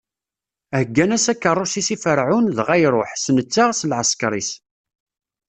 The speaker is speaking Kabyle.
Heggan-as akeṛṛus-is i Ferɛun, dɣa iṛuḥ, s netta, s lɛeskeṛ-is.